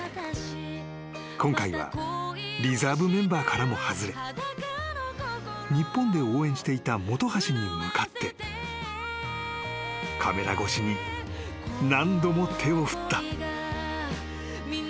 ［今回はリザーブメンバーからも外れ日本で応援していた本橋に向かってカメラ越しに何度も手を振った］